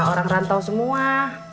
orang rantau semua